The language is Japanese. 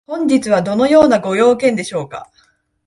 本日はどのようなご用件でしょうか？